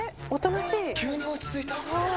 急に落ち着いた？